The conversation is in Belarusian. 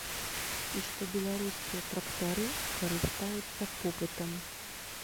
І што беларускія трактары карыстаюцца попытам.